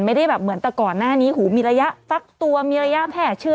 ไม่ได้แบบเหมือนแต่ก่อนหน้านี้หูมีระยะฟักตัวมีระยะแพร่เชื้อ